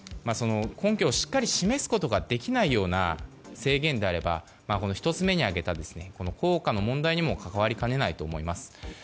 根拠をしっかり示すことができないような制限であれば１つ目に挙げた効果の問題にも関わりかねないと思います。